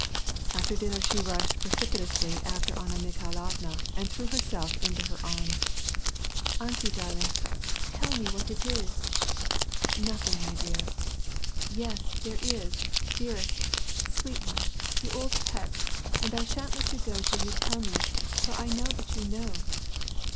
After dinner, she rushed precipitately after Anna Mikhailovna, and threw herself into her arms. '^ Aunty darl ing,* tell what it is ?" "Nothing, my dear." '* Yes, there is, dearest, sweet one, you old pet,t and I shan't let you go till you tell me, for I know that you know."